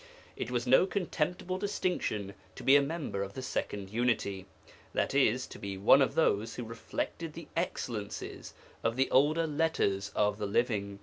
It was no contemptible distinction to be a member of the Second Unity, i.e. to be one of those who reflected the excellences of the older 'Letters of the Living.'